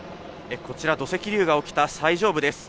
こちら、土石流が起きた最上部です。